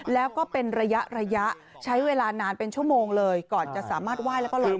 แล้วก็เป็นระยะระยะใช้เวลานานเป็นชั่วโมงเลยก่อนจะสามารถไหว้แล้วก็ลอง